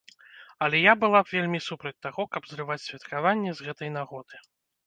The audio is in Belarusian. Але я была б вельмі супраць таго, каб зрываць святкаванне з гэтай нагоды.